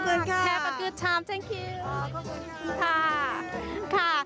ขอบคุณค่ะขอบคุณค่ะ